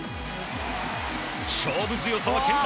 勝負強さは健在。